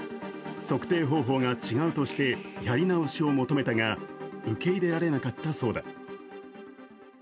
測定方法が違うとしてやり直しを求めたが受け入れられなかったそうだ。